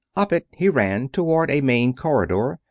Up it he ran, toward a main corridor.